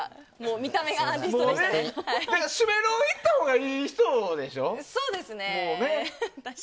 主メロ行ったほうがいい人でしょ。